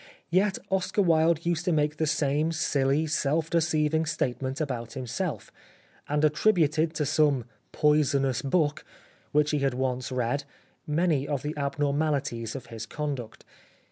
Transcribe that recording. Yet Oscar Wilde used to make the same silly, self deceiving state ment about himself, and attributed to some " poisonous book " which he had once read many of the abnormalities of his conduct.